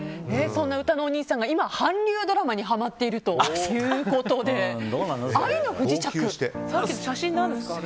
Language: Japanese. そんなうたのおにいさんが今、韓流ドラマにハマっているということでさっきの写真は何ですか？